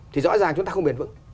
thì rõ ràng chúng ta không biển vững